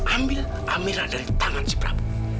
ambil amira dari tangan si bram